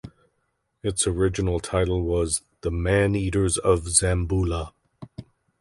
Its original title was "The Man-Eaters of Zamboula".